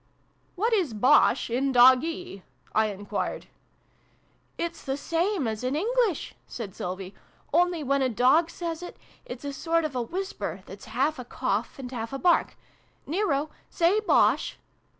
'"" What is ' Bosh !' in Doggee ?" I enquired. " It's the same as in English," said Sylvie. " Only, when a dog says it, it's a sort of a whisper, that's half a cough and half a bark. Nero, say 'Bosh!'"